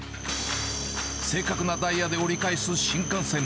正確なダイヤで折り返す新幹線。